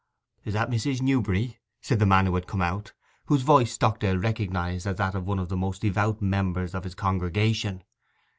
'Is that Mrs. Newberry?' said the man who had come out, whose voice Stockdale recognized as that of one of the most devout members of his congregation.